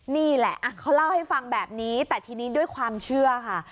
นี่แหละเขาเล่าให้ฟังแบบนี้แต่ทีนี้ด้วยความเชื่อค่ะ